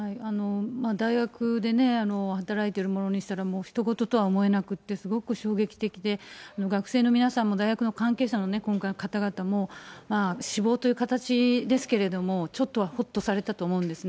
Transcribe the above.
大学でね、働いてる者としては、ひと事とは思えなくて、すごく衝撃的で、学生の皆さんも、大学の関係者の、今回、方々も、死亡という形ですけれども、ちょっとはほっとされたと思うんですね。